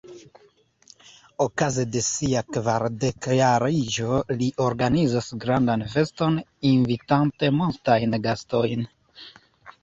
Okaze de sia kvardekjariĝo li organizas grandan feston, invitante multajn gastojn.